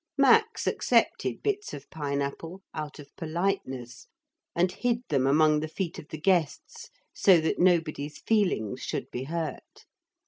Max accepted bits of pine apple, out of politeness, and hid them among the feet of the guests so that nobody's feelings should be hurt.